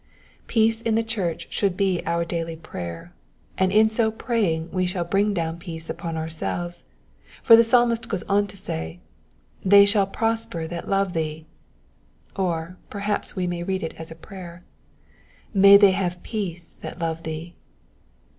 Peace in the church should be our daily prayer, and in so praying we shall bring down peace upon ourselves; for the Psalmist goes on to say, ^^They shall prosper that love thee,^^ or, perhaps we may read it as a prayer, "May they have peace that love thee."